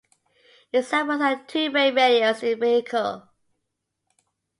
Examples are two way radios in vehicles.